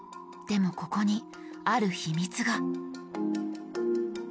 でもここにある秘密が。